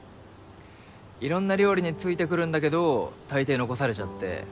いろんな料理に付いてくるんだけど大抵残されちゃって。